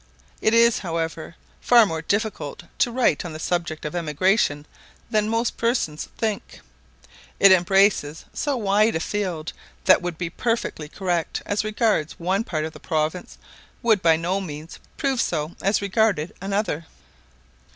It is, however, far more difficult to write on the subject of emigration than most persons think: it embraces so wide a field that what would be perfectly correct as regards one part of the province would by no means prove so as regarded another.